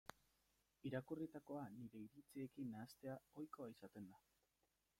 Irakurritakoa nire iritziekin nahastea ohikoa izaten da.